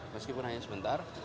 meskipun hanya sebentar